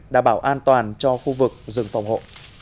đảm bảo an toàn cho khu vực rừng phòng hộ